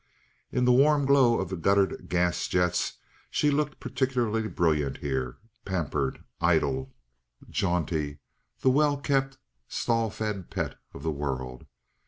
In the warm glow of the guttered gas jets she looked particularly brilliant here, pampered, idle, jaunty—the well kept, stall fed pet of the world.